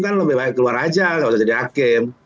kan lebih baik keluar aja nggak usah jadi hakim